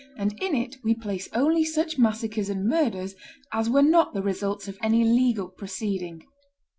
and in it we place only such massacres and murders as were not the results of any legal proceeding.